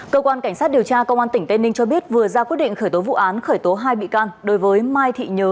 cơ quan cảnh sát điều tra công an tỉnh tây ninh cho biết vừa ra quyết định khởi tố vụ án khởi tố hai bị can đối với mai thị nhớ